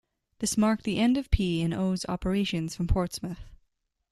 This marked the end of P and O's operations from Portsmouth.